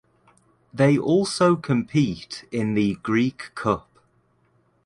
They also compete in the Greek Cup.